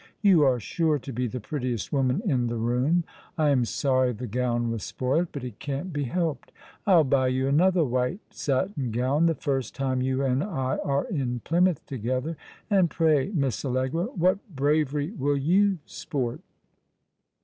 You are sure to be the prettiest woman in the room. I am sorry the gown was spoilt; but it cant be helped. I'll buy you another white satin gown the first time you and I are in Plymouth together. And, pray, Miss Allegra, what bravery will you sport?"